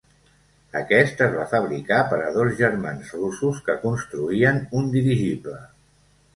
Aquest es va fabricar per a dos germans russos que construïen un dirigible.